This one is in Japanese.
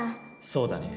そうだね。